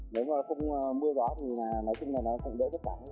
nếu mà không mua gió thì nói chung là nó không đỡ chất cả